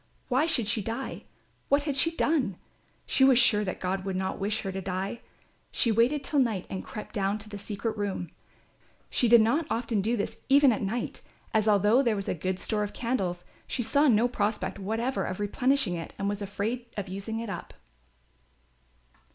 "Why should she die; what had she done? She was sure that God would not wish her to die." She waited till night and crept down to the secret room. She did not often do this even at night, as although there was a good store of candles she saw no prospect whatever of replenishing it and was afraid of using it up.